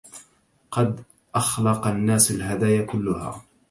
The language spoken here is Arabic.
قد أخلق الناس الهدايا كلها